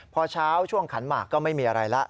พอเช้าช่วงขันหมากก็ไม่มีอะไรแล้ว